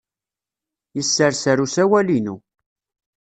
Yesserser usawal-inu.